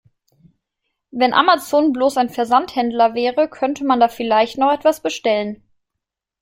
Wenn Amazon bloß ein Versandhändler wäre, könnte man da vielleicht noch etwas bestellen.